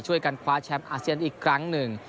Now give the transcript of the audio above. ช่วยกันคว้าแชมป์อาเซียนอีกครั้งหนึ่ง